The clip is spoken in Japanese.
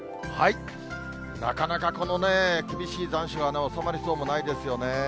なかなかこの厳しい残暑は収まりそうもないですよね。